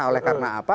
oleh karena apa